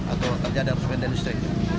atau kerja dari resmi industri